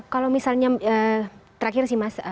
kalau misalnya terakhir sih mas